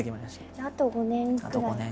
じゃああと５年くらい。